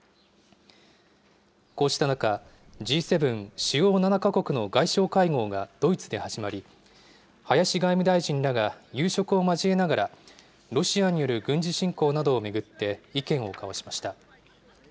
こうした中、Ｇ７・主要７か国の外相会合がドイツで始まり、林外務大臣らが夕食を交えながら、ロシアによる軍事侵攻などを巡って意見を交わしました。